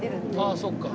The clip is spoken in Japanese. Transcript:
ああそっか。